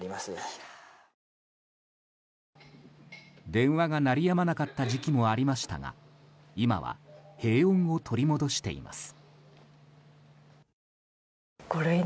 電話が鳴りやまなかった時期もありましたが今は平穏を取り戻しています。